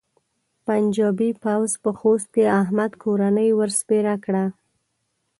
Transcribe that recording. پنجاپي پوځ په خوست کې احمد کورنۍ ور سپېره کړه.